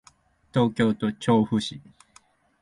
東京都調布市